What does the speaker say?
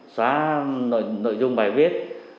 xóa nội dung bài viết